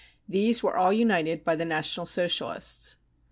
These were all united by the National Socialists.